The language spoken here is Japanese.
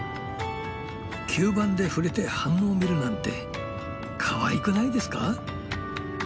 吸盤で触れて反応を見るなんてかわいくないですか？